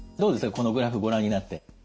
このグラフご覧になって。